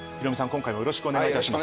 今回もよろしくお願いいたします。